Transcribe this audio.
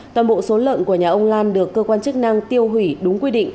toàn bộ số lợn của nhà ông lan được cơ quan chức năng tiêu hủy đúng quy định